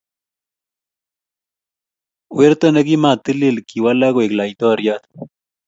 Werto ni ki matilil ,kiwalak koek laitoryat